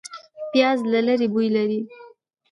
پیاز له لرې بوی لري